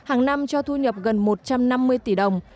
hàng năm cho thu nhập gần một trăm năm mươi tỷ đồng